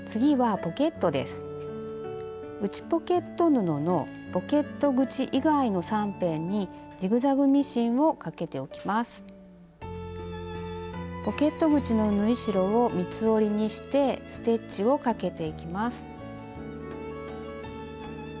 ポケット口の縫い代を三つ折りにしてステッチをかけていきます。